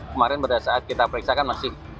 kemarin pada saat kita periksa kan masih